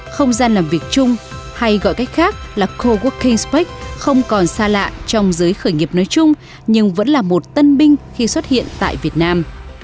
không gian làm việc chung hay gọi cách khác là coworking spact không còn xa lạ trong giới khởi nghiệp nói chung nhưng vẫn là một tân binh khi xuất hiện tại việt nam